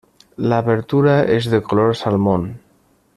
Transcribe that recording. La abertura es de color salmón.